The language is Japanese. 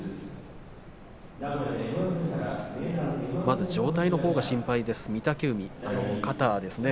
まず状態のほうが心配です御嶽海肩ですね。